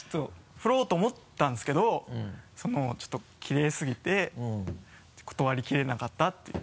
振ろうと思ったんですけどちょっときれいすぎて断り切れなかったっていう。